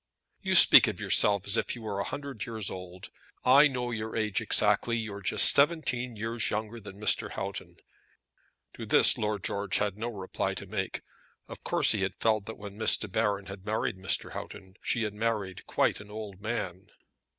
"You speak of yourself as if you were a hundred years old. I know your age exactly. You are just seventeen years younger than Mr. Houghton!" To this Lord George had no reply to make. Of course he had felt that when Miss De Baron had married Mr. Houghton she had married quite an old man.